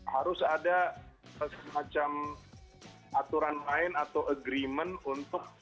harus ada semacam aturan main atau agreement untuk